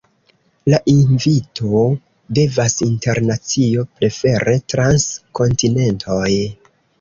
La invito devas internacio, prefere trans kontinentoj.